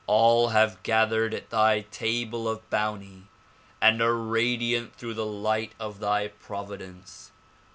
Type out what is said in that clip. All have gathered at thy table of bounty and are radiant through the light of thy providence.